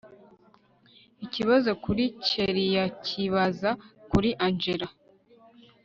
akibaza kuri kelliaakibaza kuri angella